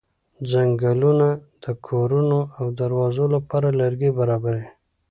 څنګلونه د کورونو او دروازو لپاره لرګي برابروي.